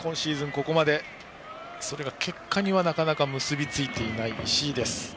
ここまでそれは結果にはなかなか結びついていない石井です。